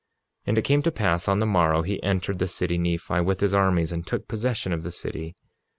47:31 And it came to pass on the morrow he entered the city Nephi with his armies, and took possession of the city.